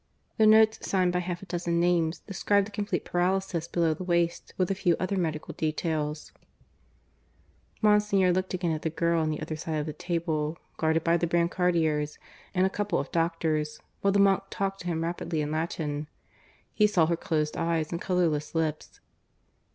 The notes, signed by half a dozen names, described the complete paralysis below the waist, with a few other medical details. Monsignor looked again at the girl on the other side of the table, guarded by the brancardiers and a couple of doctors, while the monk talked to him rapidly in Latin. He saw her closed eyes and colourless lips.